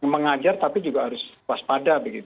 mengajar tapi juga harus waspada